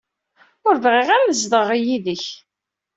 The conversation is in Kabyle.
Ur bɣiɣ ara ad zedɣeɣ yid-k.